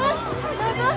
どうぞ。